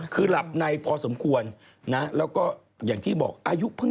คือหลับในพอสมควรนะแล้วก็อย่างที่บอกอายุเพิ่ง